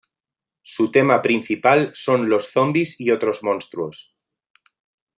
Su tema principal son los Zombis y otros Monstruos.